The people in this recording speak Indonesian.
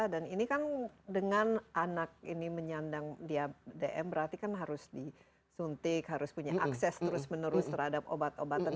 dan ini kan dengan anak ini menyandang dm berarti kan harus disuntik harus punya akses terus menerus terhadap obat obatan